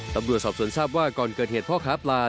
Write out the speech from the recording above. ตำรวจสอบสวนทราบว่าก่อนเกิดเหตุพ่อค้าปลา